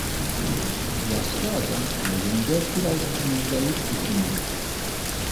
Yaşlı adam yerinde biraz kımıldayıp düşündü.